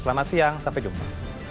selamat siang sampai jumpa